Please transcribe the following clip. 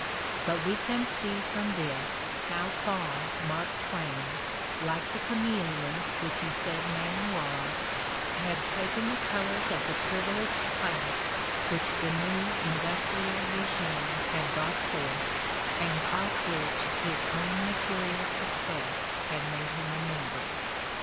But we can see from this how far Mark Twain, like the chame leon which he said man was, had taken the colors of the privileged class which the new industrial regime had brought forth and of which his own material success had made him a member.